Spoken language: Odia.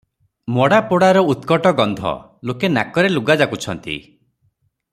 ମଡ଼ା ପୋଡ଼ାର ଉତ୍କଟ ଗନ୍ଧ, ଲୋକେ ନାକରେ ଲୁଗା ଯାକୁଛନ୍ତି ।